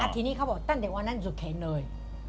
ทีนี้เขาบอกตั้งแต่วันนั้นสุดเข็นเลย